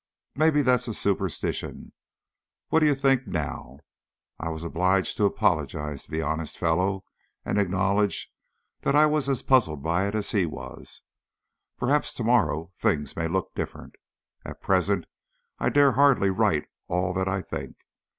Maybe that's a supersteetion? What d'ye think o't noo?" I was obliged to apologise to the honest fellow, and acknowledge that I was as puzzled by it as he was. Perhaps to morrow things may look different. At present I dare hardly write all that I think.